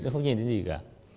không nhìn thấy gì cả